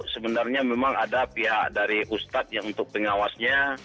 sebenarnya memang ada pihak dari ustadz yang untuk pengawasnya